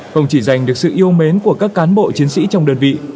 không chỉ giành được sự yêu mến của các cán bộ chiến sĩ trong đơn vị